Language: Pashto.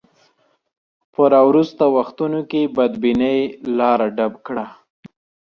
په راوروسته وختونو کې بدبینۍ لاره ډب کړه.